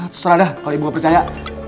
terserah deh kalau ibu gak percaya